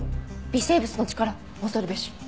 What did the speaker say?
微生物の力恐るべし。